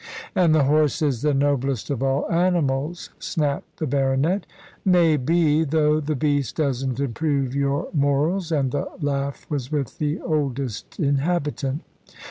"And the horse is the noblest of all animals," snapped the baronet. "Maybe, though the beast doesn't improve your morals," and the laugh was with the oldest inhabitant.